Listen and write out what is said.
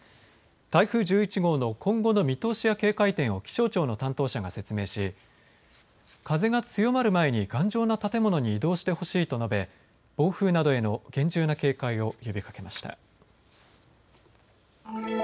台風１１号の今後の見通しや警戒点を気象庁の担当者が説明し風が強まる前に頑丈な建物に移動してほしいと述べ暴風などへの厳重な警戒を呼びかけました。